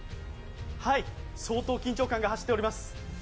相当緊張感が走っております。